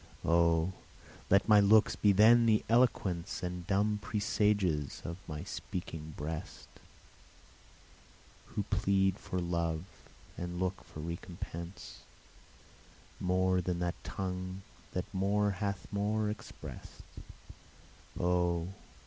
O! let my looks be then the eloquence And dumb presagers of my speaking breast, Who plead for love, and look for recompense, More than that tongue that more hath more express'd. O!